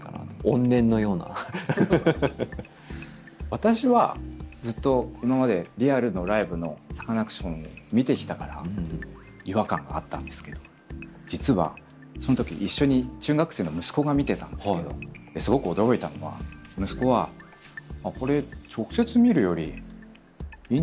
私はずっと今までリアルのライブのサカナクションを見てきたから違和感があったんですけど実はその時一緒に中学生の息子が見てたんですけどすごく驚いたのは息子は「これ直接見るよりいいんじゃない」。